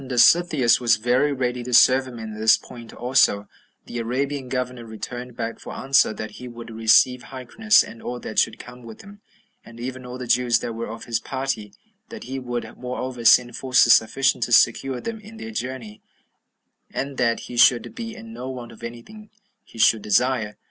And when Dositheus was very ready to serve him in this point also, the Arabian governor returned back for answer, that he would receive Hyrcanus, and all that should come with him, and even all the Jews that were of his party; that he would, moreover, send forces sufficient to secure them in their journey; and that he should be in no want of any thing he should desire.